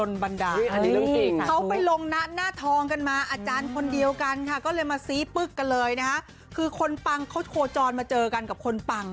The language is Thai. มาซีปึกกันเลยนะฮะคือคนปังเขาโคจรมาเจอกันกับคนปัง